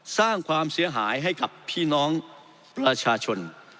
สร้างความเสียหายให้กับพี่น้องประชาชน